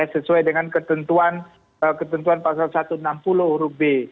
sesuai dengan ketentuan pasal satu ratus enam puluh huruf b